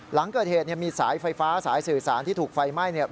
หลังเกิดเหตุมีสายไฟฟ้าสายสื่อสารที่ถูกไฟไหม้